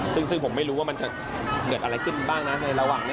ซึ่งผมไม่รู้ว่ามันจะเกิดอะไรขึ้นบ้างนะในระหว่างนี้